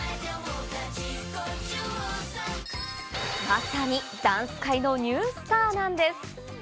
まさにダンス界のニュースターなんです。